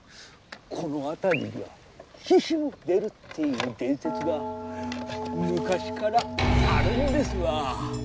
この辺りには狒々も出るっていう伝説が昔からあるんですわ。